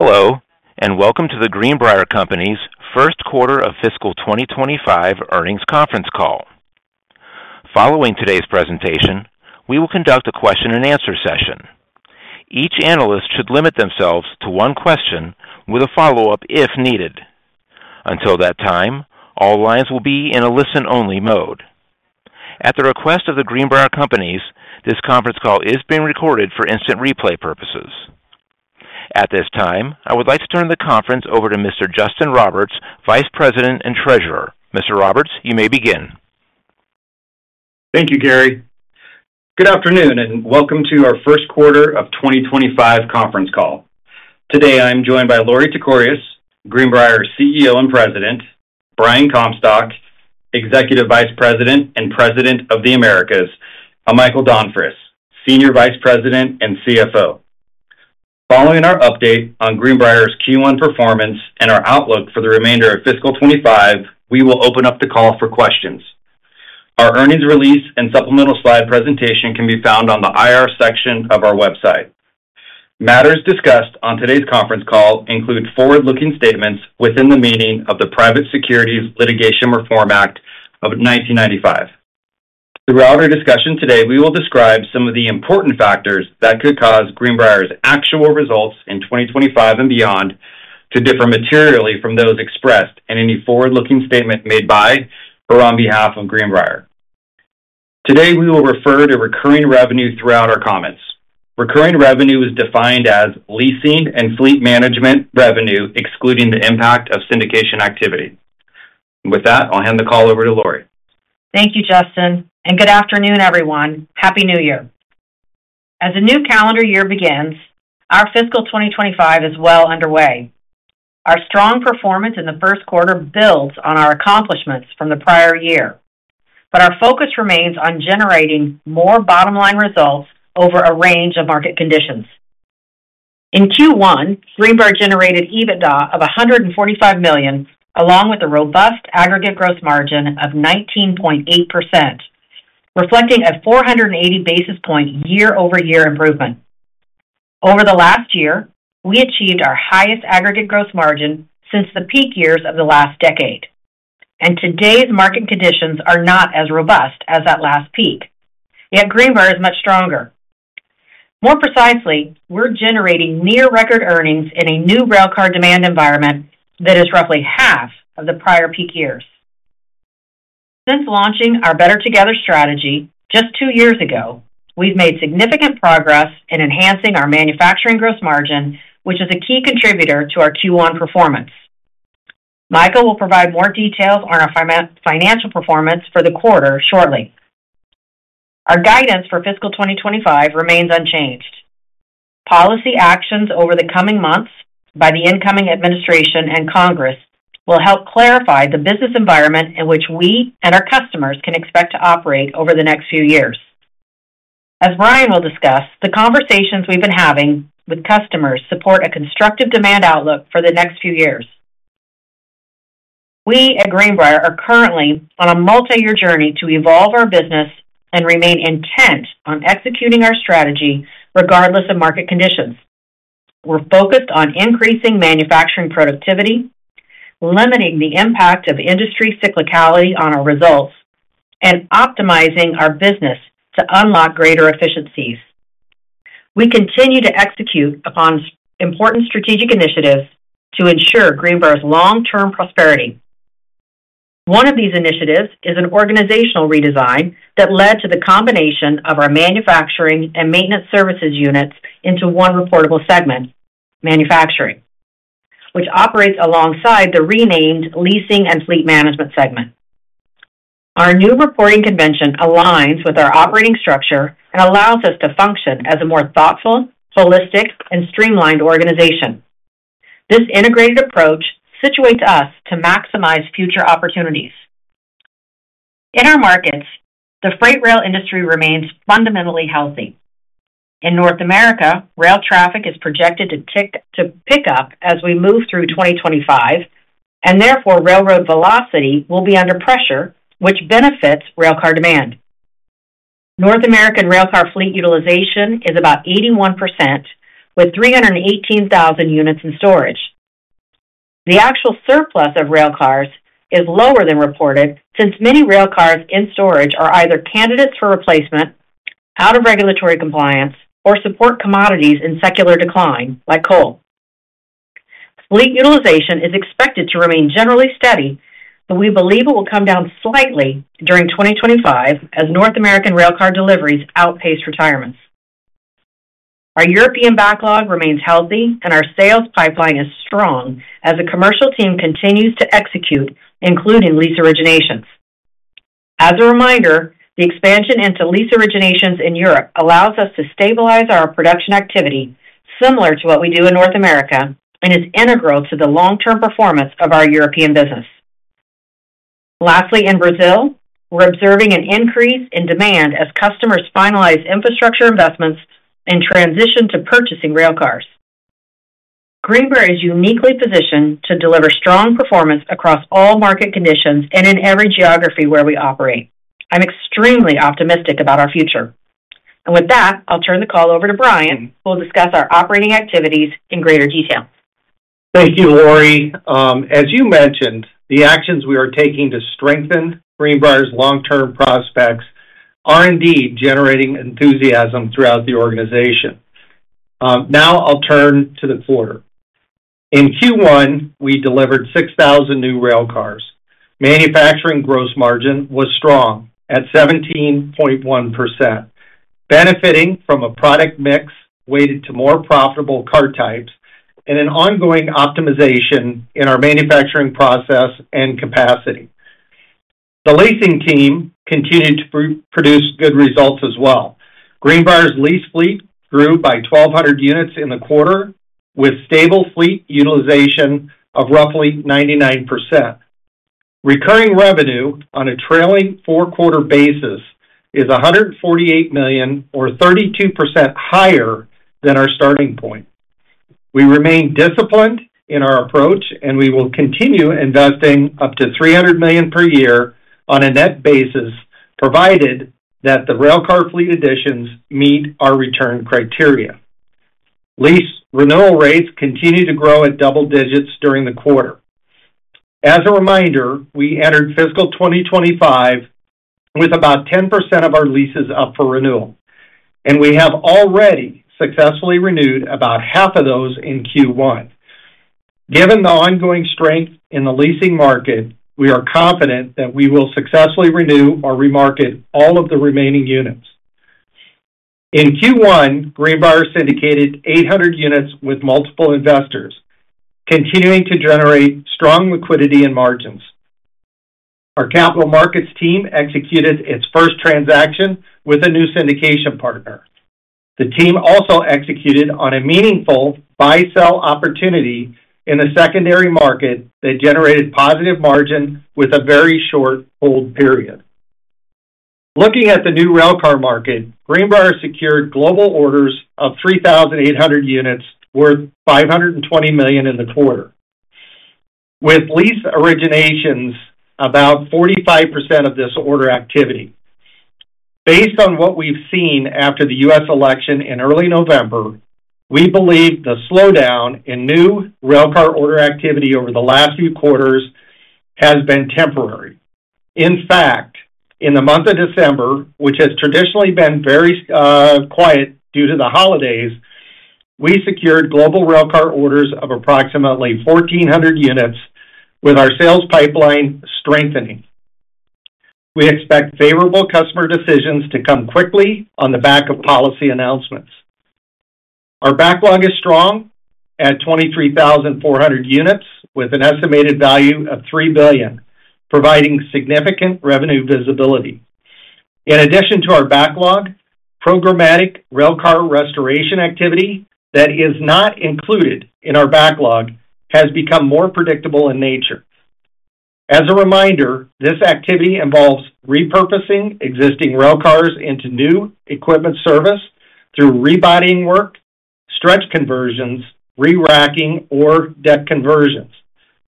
Hello, and welcome to the Greenbrier Companies First Quarter of Fiscal 2025 Earnings Conference Call. Following today's presentation, we will conduct a question-and-answer session. Each analyst should limit themselves to one question, with a follow-up if needed. Until that time, all lines will be in a listen-only mode. At the request of the Greenbrier Companies, this conference call is being recorded for instant replay purposes. At this time, I would like to turn the conference over to Mr. Justin Roberts, Vice President and Treasurer. Mr. Roberts, you may begin. Thank you, Gary. Good afternoon, and welcome to our First Quarter of 2025 Conference Call. Today, I am joined by Lorie Tekorius, Greenbrier CEO and President; Brian Comstock, Executive Vice President and President of the Americas; and Michael Donfris, Senior Vice President and CFO. Following our update on Greenbrier's Q1 performance and our outlook for the remainder of Fiscal 2025, we will open up the call for questions. Our earnings release and supplemental slide presentation can be found on the IR section of our website. Matters discussed on today's conference call include forward-looking statements within the meaning of the Private Securities Litigation Reform Act of 1995. Throughout our discussion today, we will describe some of the important factors that could cause Greenbrier's actual results in 2025 and beyond to differ materially from those expressed in any forward-looking statement made by or on behalf of Greenbrier. Today, we will refer to recurring revenue throughout our comments. Recurring revenue is defined as leasing and fleet management revenue, excluding the impact of syndication activity. With that, I'll hand the call over to Lorie. Thank you, Justin, and good afternoon, everyone. Happy New Year. As a new calendar year begins, our Fiscal 2025 is well underway. Our strong performance in the first quarter builds on our accomplishments from the prior year, but our focus remains on generating more bottom-line results over a range of market conditions. In Q1, Greenbrier generated EBITDA of $145 million, along with a robust aggregate gross margin of 19.8%, reflecting a 480 basis-point year-over-year improvement. Over the last year, we achieved our highest aggregate gross margin since the peak years of the last decade, and today's market conditions are not as robust as that last peak. Yet Greenbrier is much stronger. More precisely, we're generating near-record earnings in a new railcar demand environment that is roughly half of the prior peak years. Since launching our Better Together strategy just two years ago, we've made significant progress in enhancing our manufacturing gross margin, which is a key contributor to our Q1 performance. Michael will provide more details on our financial performance for the quarter shortly. Our guidance for Fiscal 2025 remains unchanged. Policy actions over the coming months by the incoming administration and Congress will help clarify the business environment in which we and our customers can expect to operate over the next few years. As Brian will discuss, the conversations we've been having with customers support a constructive demand outlook for the next few years. We at Greenbrier are currently on a multi-year journey to evolve our business and remain intent on executing our strategy regardless of market conditions. We're focused on increasing manufacturing productivity, limiting the impact of industry cyclicality on our results, and optimizing our business to unlock greater efficiencies. We continue to execute upon important strategic initiatives to ensure Greenbrier's long-term prosperity. One of these initiatives is an organizational redesign that led to the combination of our manufacturing and maintenance services units into one reportable segment, manufacturing, which operates alongside the renamed leasing and fleet management segment. Our new reporting convention aligns with our operating structure and allows us to function as a more thoughtful, holistic, and streamlined organization. This integrated approach situates us to maximize future opportunities. In our markets, the freight rail industry remains fundamentally healthy. In North America, rail traffic is projected to pick up as we move through 2025, and therefore railroad velocity will be under pressure, which benefits railcar demand. North American railcar fleet utilization is about 81%, with 318,000 units in storage. The actual surplus of railcars is lower than reported since many railcars in storage are either candidates for replacement, out of regulatory compliance, or support commodities in secular decline like coal. Fleet utilization is expected to remain generally steady, but we believe it will come down slightly during 2025 as North American railcar deliveries outpace retirements. Our European backlog remains healthy, and our sales pipeline is strong as the commercial team continues to execute, including lease originations. As a reminder, the expansion into lease originations in Europe allows us to stabilize our production activity, similar to what we do in North America, and is integral to the long-term performance of our European business. Lastly, in Brazil, we're observing an increase in demand as customers finalize infrastructure investments and transition to purchasing railcars. Greenbrier is uniquely positioned to deliver strong performance across all market conditions and in every geography where we operate. I'm extremely optimistic about our future, and with that, I'll turn the call over to Brian, who will discuss our operating activities in greater detail. Thank you, Lorie. As you mentioned, the actions we are taking to strengthen Greenbrier's long-term prospects are indeed generating enthusiasm throughout the organization. Now I'll turn to the quarter. In Q1, we delivered 6,000 new railcars. Manufacturing gross margin was strong at 17.1%, benefiting from a product mix weighted to more profitable car types and an ongoing optimization in our manufacturing process and capacity. The leasing team continued to produce good results as well. Greenbrier's lease fleet grew by 1,200 units in the quarter, with stable fleet utilization of roughly 99%. Recurring revenue on a trailing four-quarter basis is $148 million, or 32% higher than our starting point. We remain disciplined in our approach, and we will continue investing up to $300 million per year on a net basis, provided that the railcar fleet additions meet our return criteria. Lease renewal rates continue to grow at double digits during the quarter. As a reminder, we entered Fiscal 2025 with about 10% of our leases up for renewal, and we have already successfully renewed about half of those in Q1. Given the ongoing strength in the leasing market, we are confident that we will successfully renew or remarket all of the remaining units. In Q1, Greenbrier syndicated 800 units with multiple investors, continuing to generate strong liquidity and margins. Our capital markets team executed its first transaction with a new syndication partner. The team also executed on a meaningful buy-sell opportunity in a secondary market that generated positive margin with a very short hold period. Looking at the new railcar market, Greenbrier secured global orders of 3,800 units worth $520 million in the quarter, with lease originations about 45% of this order activity. Based on what we've seen after the U.S. election in early November, we believe the slowdown in new railcar order activity over the last few quarters has been temporary. In fact, in the month of December, which has traditionally been very quiet due to the holidays, we secured global railcar orders of approximately 1,400 units, with our sales pipeline strengthening. We expect favorable customer decisions to come quickly on the back of policy announcements. Our backlog is strong at 23,400 units, with an estimated value of $3 billion, providing significant revenue visibility. In addition to our backlog, programmatic railcar restoration activity that is not included in our backlog has become more predictable in nature. As a reminder, this activity involves repurposing existing railcars into new equipment service through rebodying work, stretch conversions, re-racking, or deck conversions.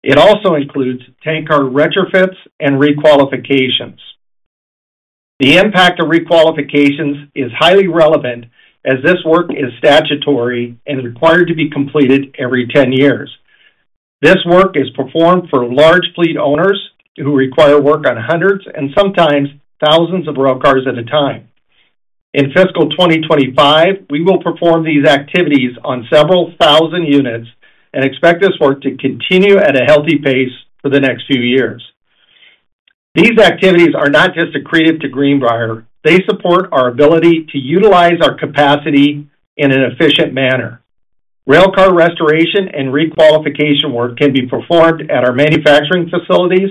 It also includes tank car retrofits and requalifications. The impact of requalifications is highly relevant as this work is statutory and required to be completed every 10 years. This work is performed for large fleet owners who require work on hundreds and sometimes thousands of railcars at a time. In Fiscal 2025, we will perform these activities on several thousand units and expect this work to continue at a healthy pace for the next few years. These activities are not just a credit to Greenbrier. They support our ability to utilize our capacity in an efficient manner. Railcar restoration and requalification work can be performed at our manufacturing facilities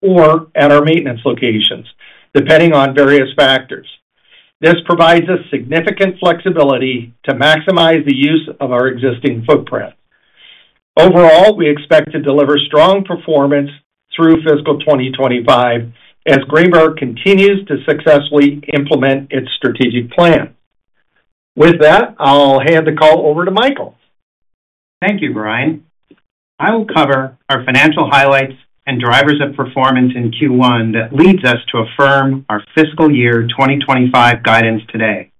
or at our maintenance locations, depending on various factors. This provides us significant flexibility to maximize the use of our existing footprint. Overall, we expect to deliver strong performance through Fiscal 2025 as Greenbrier continues to successfully implement its strategic plan. With that, I'll hand the call over to Michael. Thank you, Brian. I will cover our financial highlights and drivers of performance in Q1 that leads us to affirm our Fiscal Year 2025 guidance today.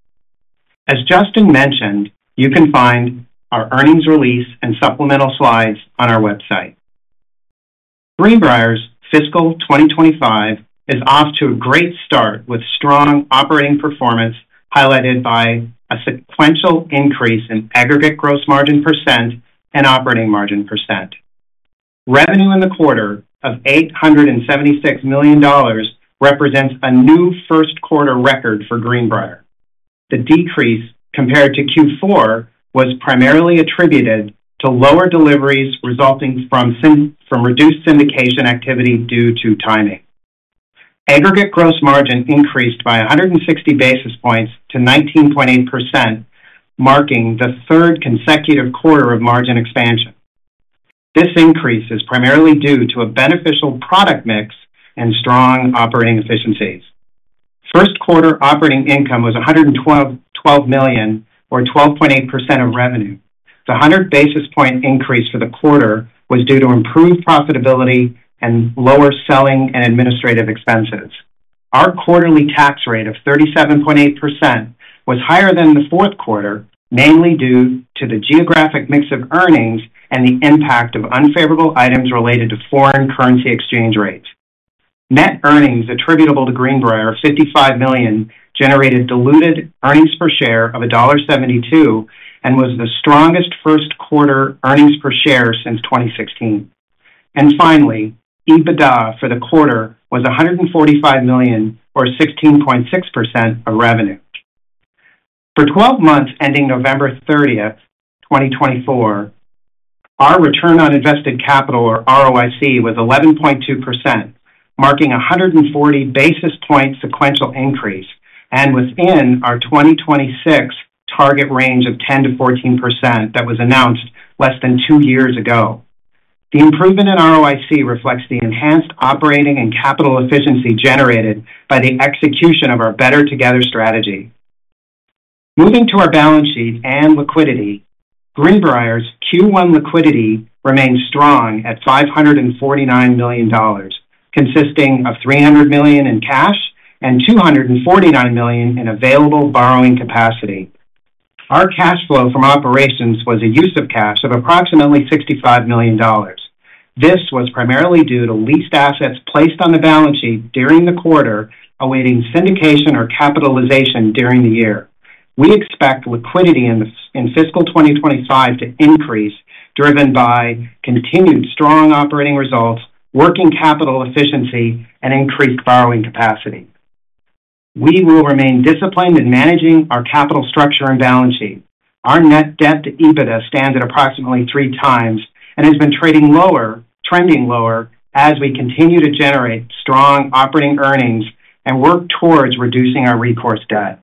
As Justin mentioned, you can find our earnings release and supplemental slides on our website. Greenbrier's Fiscal 2025 is off to a great start with strong operating performance highlighted by a sequential increase in aggregate gross margin % and operating margin %. Revenue in the quarter of $876 million represents a new first-quarter record for Greenbrier. The decrease compared to Q4 was primarily attributed to lower deliveries resulting from reduced syndication activity due to timing. Aggregate gross margin increased by 160 bps to 19.8%, marking the third consecutive quarter of margin expansion. This increase is primarily due to a beneficial product mix and strong operating efficiencies. First-quarter operating income was $112 million, or 12.8% of revenue. The 100 bp increase for the quarter was due to improved profitability and lower selling and administrative expenses. Our quarterly tax rate of 37.8% was higher than the fourth quarter, mainly due to the geographic mix of earnings and the impact of unfavorable items related to foreign currency exchange rates. Net earnings attributable to Greenbrier of $55 million generated diluted earnings per share of $1.72 and was the strongest first-quarter earnings per share since 2016. And finally, EBITDA for the quarter was $145 million, or 16.6% of revenue. For 12 months ending November 30th, 2024, our return on invested capital, or ROIC, was 11.2%, marking a 140 bp sequential increase and within our 2026 target range of 10% to 14% that was announced less than two years ago. The improvement in ROIC reflects the enhanced operating and capital efficiency generated by the execution of our Better Together strategy. Moving to our balance sheet and liquidity, Greenbrier's Q1 liquidity remained strong at $549 million, consisting of $300 million in cash and $249 million in available borrowing capacity. Our cash flow from operations was a use of cash of approximately $65 million. This was primarily due to leased assets placed on the balance sheet during the quarter awaiting syndication or capitalization during the year. We expect liquidity in Fiscal 2025 to increase, driven by continued strong operating results, working capital efficiency, and increased borrowing capacity. We will remain disciplined in managing our capital structure and balance sheet. Our net debt to EBITDA stands at approximately three times and has been trading lower, trending lower as we continue to generate strong operating earnings and work towards reducing our recourse debt.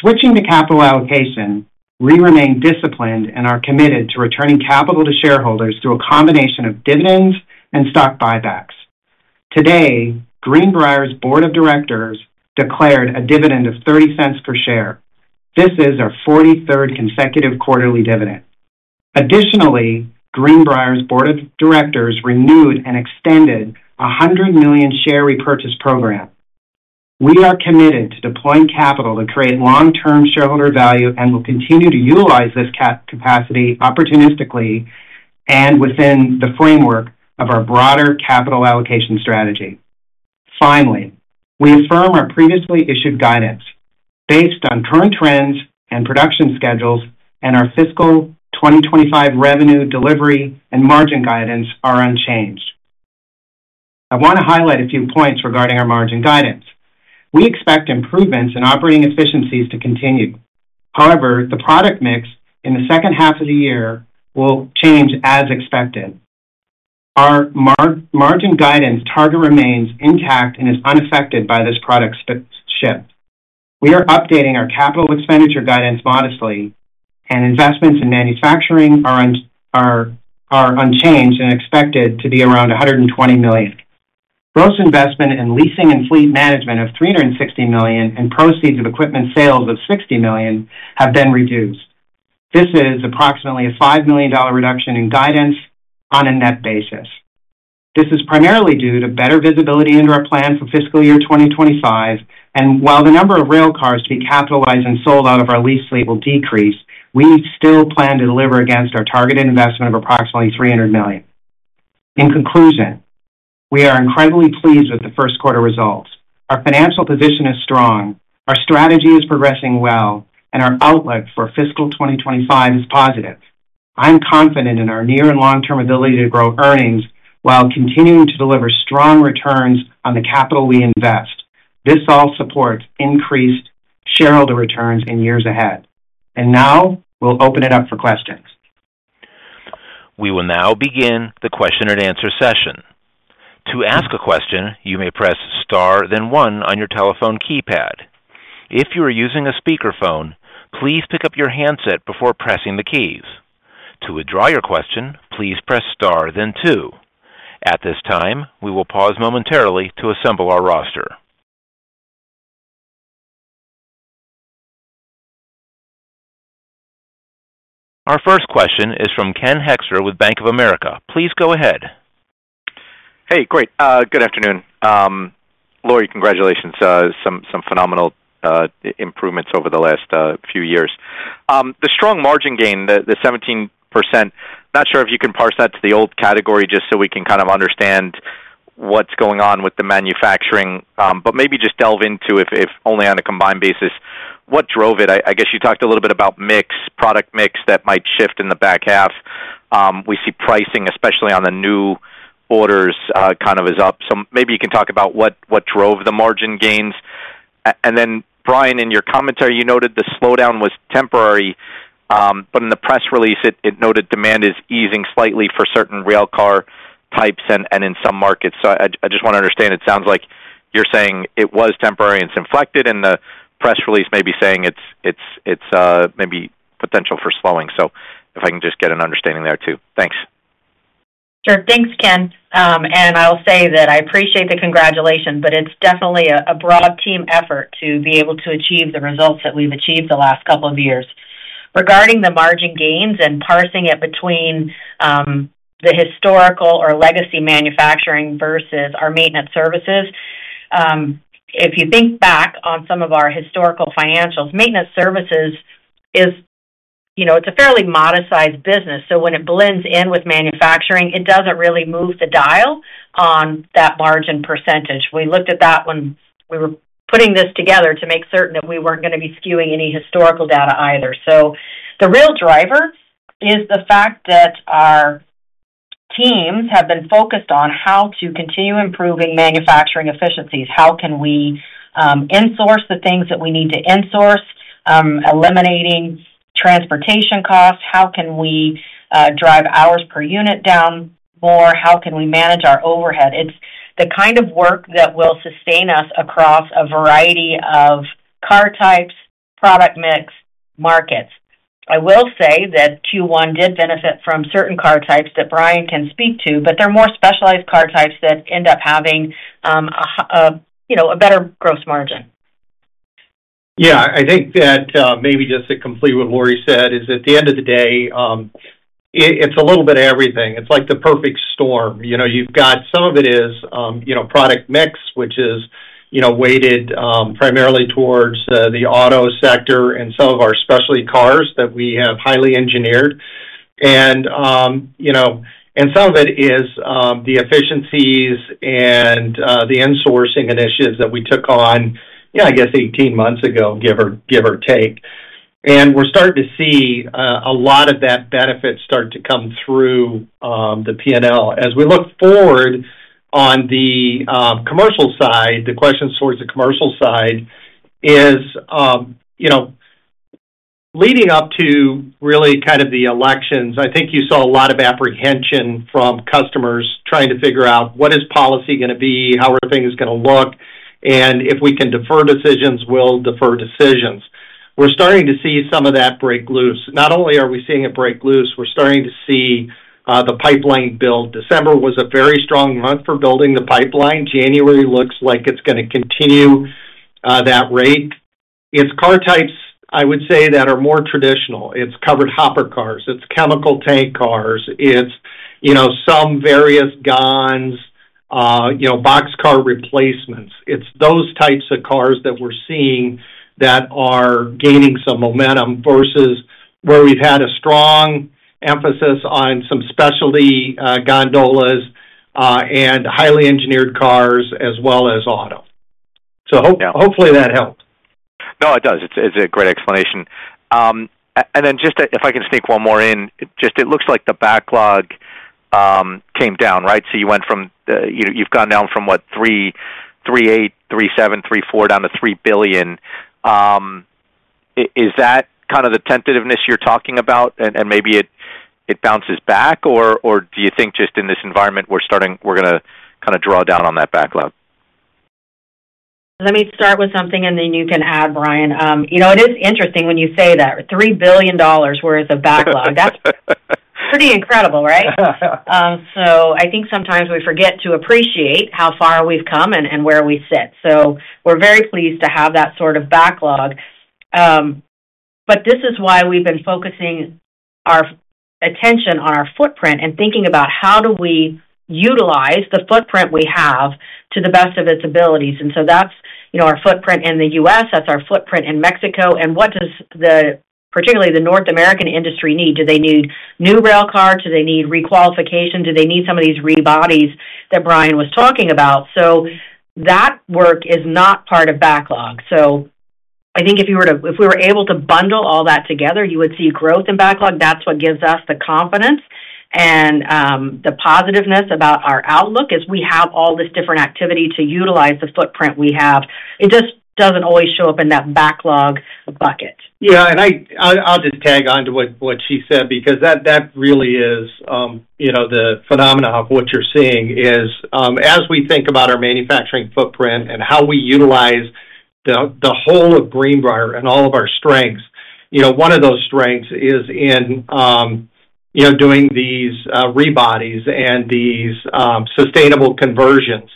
Switching to capital allocation, we remain disciplined and are committed to returning capital to shareholders through a combination of dividends and stock buybacks. Today, Greenbrier's board of directors declared a dividend of $0.30 per share. This is our 43rd consecutive quarterly dividend. Additionally, Greenbrier's board of directors renewed and extended a $100 million share repurchase program. We are committed to deploying capital to create long-term shareholder value and will continue to utilize this capacity opportunistically and within the framework of our broader capital allocation strategy. Finally, we affirm our previously issued guidance. Based on current trends and production schedules, our Fiscal 2025 revenue delivery and margin guidance are unchanged. I want to highlight a few points regarding our margin guidance. We expect improvements in operating efficiencies to continue. However, the product mix in the second half of the year will change as expected. Our margin guidance target remains intact and is unaffected by this product shift. We are updating our capital expenditure guidance modestly, and investments in manufacturing are unchanged and expected to be around $120 million. Gross investment in leasing and fleet management of $360 million and proceeds of equipment sales of $60 million have been reduced. This is approximately a $5 million reduction in guidance on a net basis. This is primarily due to better visibility into our plan for Fiscal Year 2025, and while the number of railcars to be capitalized and sold out of our lease fleet will decrease, we still plan to deliver against our targeted investment of approximately $300 million. In conclusion, we are incredibly pleased with the first-quarter results. Our financial position is strong, our strategy is progressing well, and our outlook for Fiscal 2025 is positive. I'm confident in our near and long-term ability to grow earnings while continuing to deliver strong returns on the capital we invest. This all supports increased shareholder returns in years ahead. And now we'll open it up for questions. We will now begin the question and answer session. To ask a question, you may press star, then one on your telephone keypad. If you are using a speakerphone, please pick up your handset before pressing the keys. To withdraw your question, please press star, then two. At this time, we will pause momentarily to assemble our roster. Our first question is from Ken Hoexter with Bank of America. Please go ahead. Hey, great. Good afternoon. Lorie, congratulations. Some phenomenal improvements over the last few years. The strong margin gain, the 17%, not sure if you can parse that to the old category just so we can kind of understand what's going on with the manufacturing, but maybe just delve into, if only on a combined basis, what drove it. I guess you talked a little bit about mix, product mix that might shift in the back half. We see pricing, especially on the new orders, kind of is up. So maybe you can talk about what drove the margin gains. And then, Brian, in your commentary, you noted the slowdown was temporary, but in the press release, it noted demand is easing slightly for certain railcar types and in some markets. So I just want to understand. It sounds like you're saying it was temporary and it's inflected, and the press release may be saying it's maybe potential for slowing. So if I can just get an understanding there too? Thanks. Sure. Thanks, Ken, and I'll say that I appreciate the congratulations, but it's definitely a broad team effort to be able to achieve the results that we've achieved the last couple of years. Regarding the margin gains and parsing it between the historical or legacy manufacturing versus our maintenance services, if you think back on some of our historical financials, maintenance services is a fairly modest-sized business. So when it blends in with manufacturing, it doesn't really move the dial on that margin percentage. We looked at that when we were putting this together to make certain that we weren't going to be skewing any historical data either. So the real driver is the fact that our teams have been focused on how to continue improving manufacturing efficiencies. How can we insource the things that we need to insource, eliminating transportation costs? How can we drive hours per unit down more? How can we manage our overhead? It's the kind of work that will sustain us across a variety of car types, product mix, markets. I will say that Q1 did benefit from certain car types that Brian can speak to, but they're more specialized car types that end up having a better gross margin. Yeah. I think that maybe just to complete what Lorie said is, at the end of the day, it's a little bit of everything. It's like the perfect storm. You've got some of it is product mix, which is weighted primarily towards the auto sector and some of our specialty cars that we have highly engineered, and some of it is the efficiencies and the insourcing initiatives that we took on, yeah, I guess 18 months ago, give or take, and we're starting to see a lot of that benefit start to come through the P&L. As we look forward on the commercial side, the question towards the commercial side is leading up to really kind of the elections. I think you saw a lot of apprehension from customers trying to figure out what is policy going to be, how are things going to look, and if we can defer decisions, we'll defer decisions. We're starting to see some of that break loose. Not only are we seeing it break loose, we're starting to see the pipeline build. December was a very strong month for building the pipeline. January looks like it's going to continue that rate. It's car types, I would say, that are more traditional. It's covered hopper cars. It's chemical tank cars. It's some various gondolas, boxcar replacements. It's those types of cars that we're seeing that are gaining some momentum versus where we've had a strong emphasis on some specialty gondolas and highly engineered cars as well as auto. So hopefully that helps. No, it does. It's a great explanation. And then just if I can sneak one more in, just it looks like the backlog came down, right? So you went from you've gone down from, what, $3.8, $3.7, $3.4 down to $3 billion. Is that kind of the tentativeness you're talking about, and maybe it bounces back, or do you think just in this environment we're going to kind of draw down on that backlog? Let me start with something, and then you can add, Brian. It is interesting when you say that $3 billion worth of backlog. That's pretty incredible, right? So I think sometimes we forget to appreciate how far we've come and where we sit. So we're very pleased to have that sort of backlog. But this is why we've been focusing our attention on our footprint and thinking about how do we utilize the footprint we have to the best of its abilities. And so that's our footprint in the U.S. That's our footprint in Mexico. And what does particularly the North American industry need? Do they need new railcars? Do they need requalification? Do they need some of these rebodies that Brian was talking about? So that work is not part of backlog. I think if we were able to bundle all that together, you would see growth in backlog. That's what gives us the confidence and the positiveness about our outlook, is we have all this different activity to utilize the footprint we have. It just doesn't always show up in that backlog bucket. Yeah. And I'll just tag on to what she said because that really is the phenomenon of what you're seeing is as we think about our manufacturing footprint and how we utilize the whole of Greenbrier and all of our strengths. One of those strengths is in doing these rebodies and these sustainable conversions.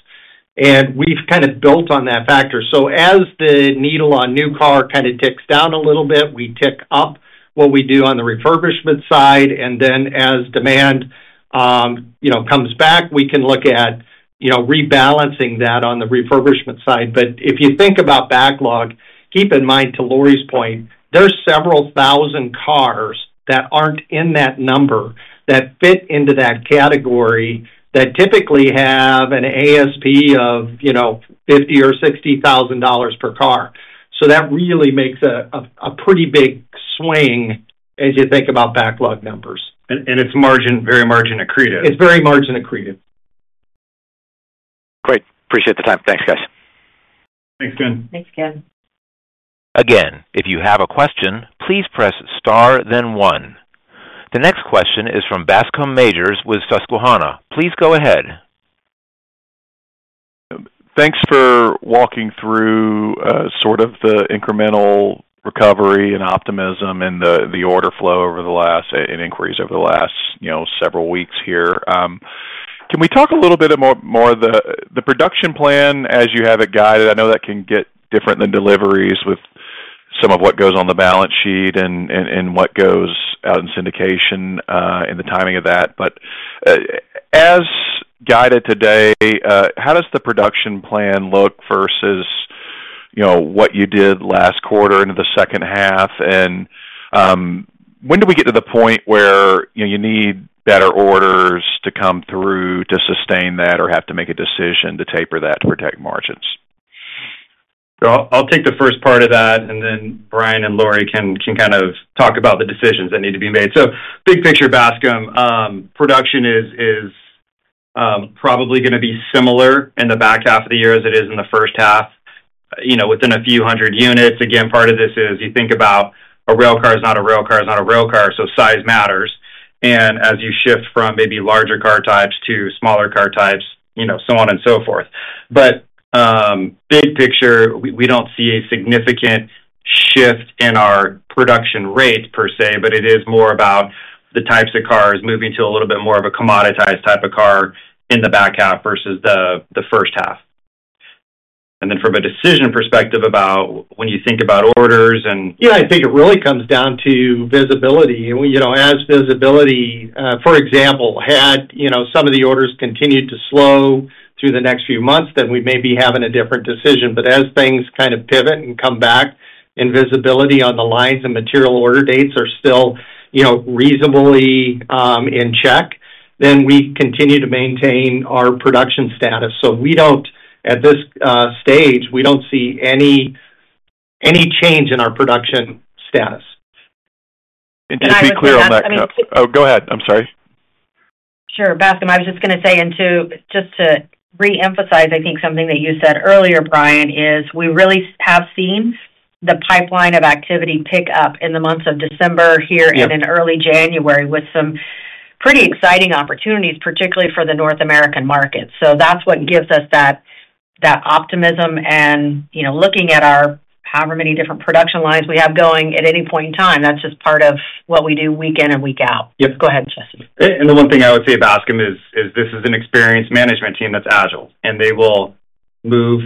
And we've kind of built on that factor. So as the needle on new car kind of ticks down a little bit, we tick up what we do on the refurbishment side. And then as demand comes back, we can look at rebalancing that on the refurbishment side. But if you think about backlog, keep in mind, to Lorie's point, there's several thousand cars that aren't in that number that fit into that category that typically have an ASP of $50,000 or $60,000 per car. So that really makes a pretty big swing as you think about backlog numbers. And it's very margin accretive. Great. Appreciate the time. Thanks, guys. Thanks, Ken. Thanks, Ken. Again, if you have a question, please press star, then one. The next question is from Bascom Majors with Susquehanna. Please go ahead. Thanks for walking through sort of the incremental recovery and optimism and the order flow over the last and increase over the last several weeks here. Can we talk a little bit more of the production plan as you have it guided? I know that can get different than deliveries with some of what goes on the balance sheet and what goes out in syndication and the timing of that. But as guided today, how does the production plan look versus what you did last quarter into the second half? And when do we get to the point where you need better orders to come through to sustain that or have to make a decision to taper that to protect margins? I'll take the first part of that, and then Brian and Lorie can kind of talk about the decisions that need to be made. So big picture, Bascom, production is probably going to be similar in the back half of the year as it is in the first half within a few hundred units. Again, part of this is you think about a railcar is not a railcar is not a railcar, so size matters. And as you shift from maybe larger car types to smaller car types, so on and so forth. But big picture, we don't see a significant shift in our production rate per se, but it is more about the types of cars moving to a little bit more of a commoditized type of car in the back half versus the first half. And then from a decision perspective about when you think about orders and. Yeah, I think it really comes down to visibility. If visibility, for example, had some of the orders continued to slow through the next few months, then we may be having a different decision, but as things kind of pivot and come back, visibility on the lines and material order dates are still reasonably in check, then we continue to maintain our production status, so at this stage, we don't see any change in our production status. Just be clear on that. I think. Oh, go ahead. I'm sorry. Sure. Bascom, I was just going to say, and just to reemphasize, I think something that you said earlier, Brian, is we really have seen the pipeline of activity pick up in the months of December here and in early January with some pretty exciting opportunities, particularly for the North American market. So that's what gives us that optimism. And looking at however many different production lines we have going at any point in time, that's just part of what we do week in and week out. Yep. Go ahead, Justin. And the one thing I would say, Bascom, is this is an experienced management team that's agile. And they will move,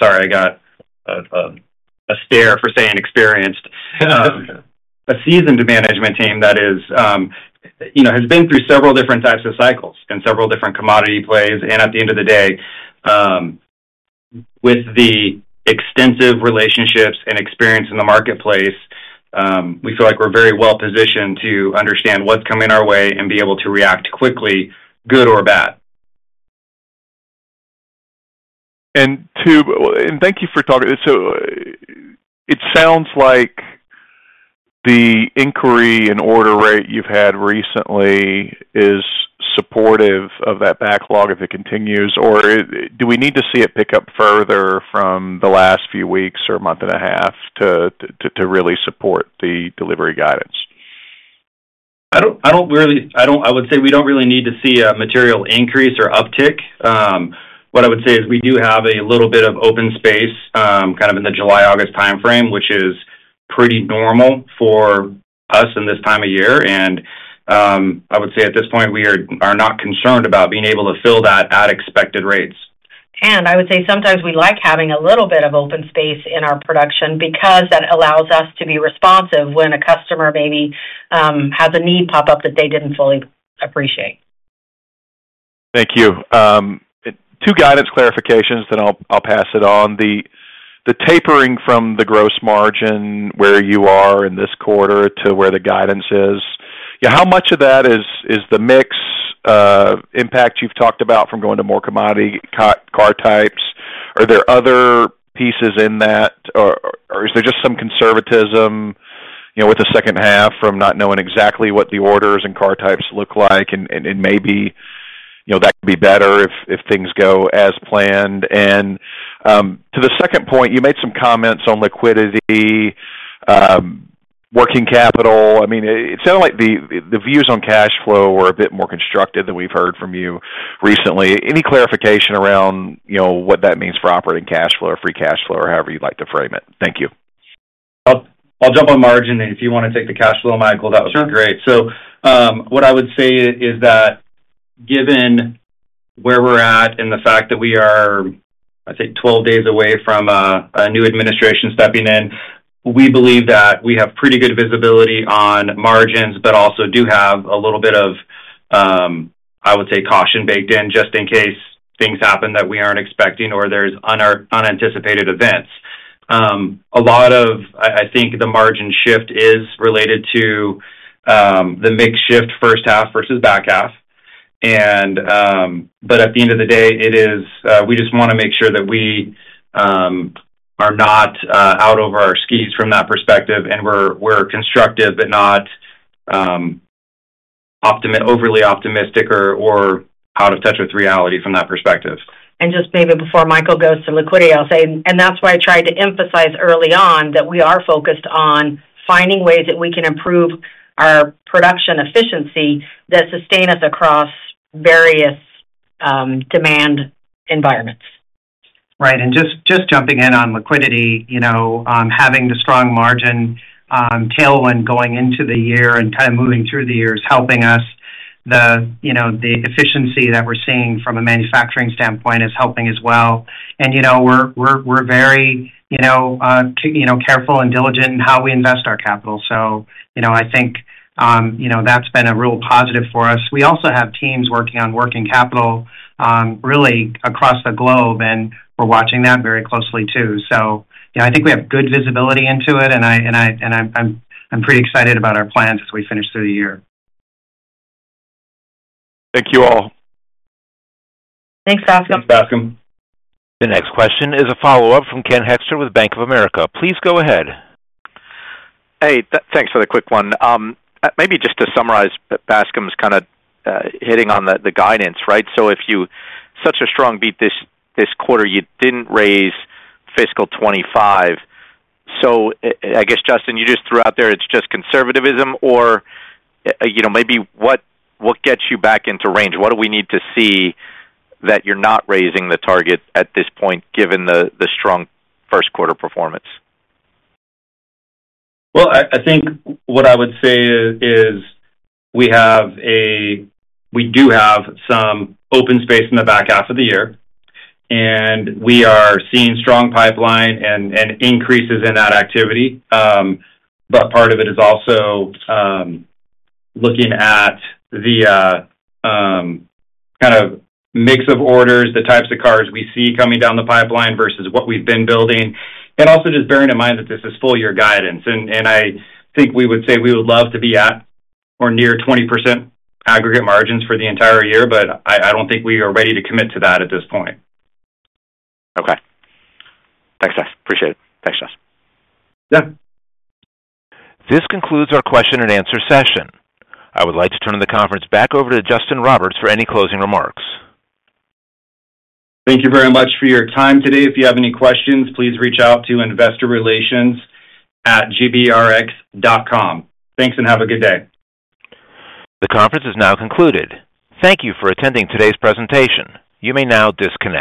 sorry, I got a stare for saying experienced, a seasoned management team that has been through several different types of cycles and several different commodity plays. And at the end of the day, with the extensive relationships and experience in the marketplace, we feel like we're very well positioned to understand what's coming our way and be able to react quickly, good or bad. Thank you for talking. It sounds like the inquiry and order rate you've had recently is supportive of that backlog if it continues, or do we need to see it pick up further from the last few weeks or month and a half to really support the delivery guidance? I don't really. I would say we don't really need to see a material increase or uptick. What I would say is we do have a little bit of open space kind of in the July-August timeframe, which is pretty normal for us in this time of year, and I would say at this point, we are not concerned about being able to fill that at expected rates. I would say sometimes we like having a little bit of open space in our production because that allows us to be responsive when a customer maybe has a need pop up that they didn't fully appreciate. Thank you. Two guidance clarifications, then I'll pass it on. The tapering from the gross margin where you are in this quarter to where the guidance is, how much of that is the mix impact you've talked about from going to more commodity car types? Are there other pieces in that, or is there just some conservatism with the second half from not knowing exactly what the orders and car types look like? And maybe that could be better if things go as planned. And to the second point, you made some comments on liquidity, working capital. I mean, it sounded like the views on cash flow were a bit more constructive than we've heard from you recently. Any clarification around what that means for operating cash flow or free cash flow or however you'd like to frame it? Thank you. I'll jump on margin, and if you want to take the cash flow, Michael, that would be great, so what I would say is that given where we're at and the fact that we are, I think, 12 days away from a new administration stepping in, we believe that we have pretty good visibility on margins, but also do have a little bit of, I would say, caution baked in just in case things happen that we aren't expecting or there's unanticipated events. A lot of, I think, the margin shift is related to the mix shift first half versus back half, but at the end of the day, we just want to make sure that we are not out over our skis from that perspective, and we're constructive but not overly optimistic or out of touch with reality from that perspective. And just maybe before Michael goes to liquidity, I'll say, and that's why I tried to emphasize early on that we are focused on finding ways that we can improve our production efficiency that sustain us across various demand environments. Right. And just jumping in on liquidity, having the strong margin tailwind going into the year and kind of moving through the year is helping us. The efficiency that we're seeing from a manufacturing standpoint is helping as well. And we're very careful and diligent in how we invest our capital. So I think that's been a real positive for us. We also have teams working on working capital really across the globe, and we're watching that very closely too. So I think we have good visibility into it, and I'm pretty excited about our plans as we finish through the year. Thank you all. Thanks, Bascom. Thanks, Bascom. The next question is a follow-up from Ken Hoexter with Bank of America. Please go ahead. Hey, thanks for the quick one. Maybe just to summarize, Bascom's kind of hitting on the guidance, right? So if you had such a strong beat this quarter, you didn't raise fiscal 25. So I guess, Justin, you just threw out there, it's just conservatism, or maybe what gets you back into range? What do we need to see that you're not raising the target at this point given the strong first quarter performance? I think what I would say is we do have some open space in the back half of the year, and we are seeing strong pipeline and increases in that activity. But part of it is also looking at the kind of mix of orders, the types of cars we see coming down the pipeline versus what we've been building. And also just bearing in mind that this is full-year guidance. And I think we would say we would love to be at or near 20% aggregate margins for the entire year, but I don't think we are ready to commit to that at this point. Okay. Thanks, guys. Appreciate it. Thanks, guys. Yeah. This concludes our question and answer session. I would like to turn the conference back over to Justin Roberts for any closing remarks. Thank you very much for your time today. If you have any questions, please reach out to investorrelations@gbrx.com. Thanks and have a good day. The conference is now concluded. Thank you for attending today's presentation. You may now disconnect.